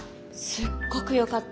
すっごくよかった。